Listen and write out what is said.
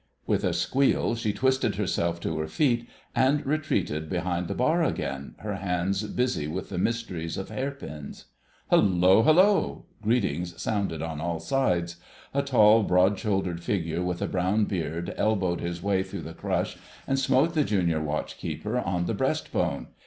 With a squeal she twisted herself to her feet and retreated behind the bar again, her hands busy with the mysteries of hair pins. "Hullo! hullo!" Greetings sounded on all sides. A tall broad shouldered figure with a brown beard elbowed his way through the crush and smote the Junior Watch keeper on the breast bone.